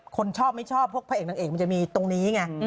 คนชอบไม่ชอบพวกพระเอกนางเอกมันจะมีตรงนี้ไง